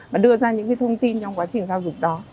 và đưa ra những cái thông tin trong quá trình giao dịch đó